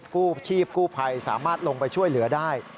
กู้ชีพกู้ภัยสามารถลงไปช่วยเหลือได้